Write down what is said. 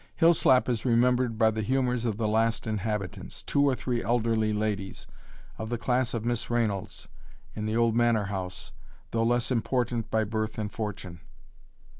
Hillslap is remembered by the humours of the last inhabitants, two or three elderly ladies, of the class of Miss Raynalds, in the Old Manor House, though less important by birth and fortune.